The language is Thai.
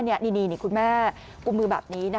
นี่คุณแม่กุมมือแบบนี้